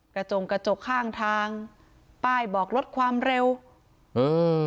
จงกระจกข้างทางป้ายบอกลดความเร็วอืม